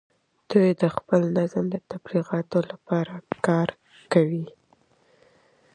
دوی د خپل نظام د تبلیغاتو لپاره کار کوي